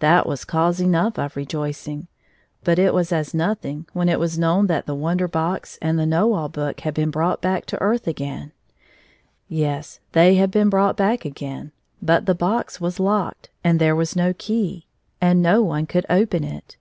That was cause enough of rejoicing, but it was as nothing when it was known that the Wonder Box and the Kiiow All Book had been brought back to earth again, Yes; they had been brought back again, but the box was locked, and there was no key, and no 178 one could open it.